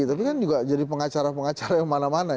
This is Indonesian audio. tapi kan juga jadi pengacara pengacara yang mana mana ya